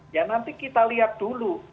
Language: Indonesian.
ya nanti kita lihat dulu